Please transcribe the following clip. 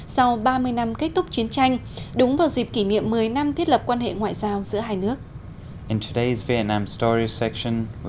sau ba mươi năm kết thúc chiến tranh